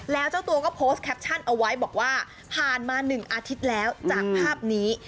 แล้วเจ้าตัวก็โพสต์แคปชั่นเอาไว้บอกว่าผ่านมา๑อาทิตย์แล้วจากภาพนี้